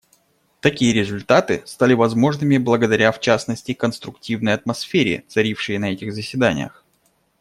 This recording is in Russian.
Такие результаты стали возможными благодаря, в частности, конструктивной атмосфере, царившей на этих заседаниях.